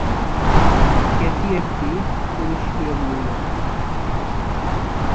এটি একটি তেজস্ক্রিয় মৌল।